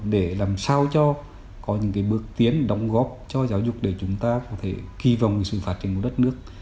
để làm sao cho có những bước tiến đóng góp cho giáo dục để chúng ta có thể kỳ vọng sự phát triển của đất nước